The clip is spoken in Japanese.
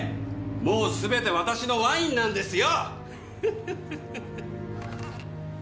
もうすべて私のワインなんですよ！